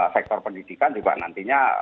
sektor pendidikan juga nantinya